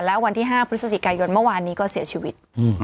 แล้ววันที่๕พฤศจิกายนเมื่อวานนี้ก็เสียชีวิต